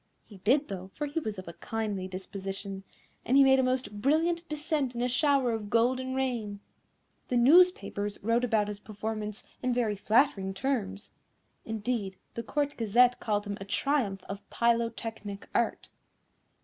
He did, though, for he was of a kindly disposition, and he made a most brilliant descent in a shower of golden rain. The newspapers wrote about his performance in very flattering terms. Indeed, the Court Gazette called him a triumph of Pylotechnic art."